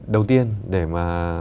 đầu tiên để mà